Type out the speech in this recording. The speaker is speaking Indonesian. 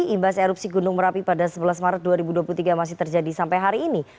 imbas erupsi gunung merapi pada sebelas maret dua ribu dua puluh tiga masih terjadi sampai hari ini